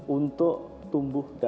untuk tumbuh dan